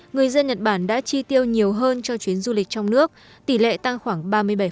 người dân nhật bản đã chi tiêu nhiều hơn cho chuyến du lịch trong nước tỷ lệ tăng khoảng ba mươi bảy